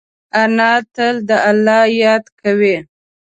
انا تل د الله یاد کوي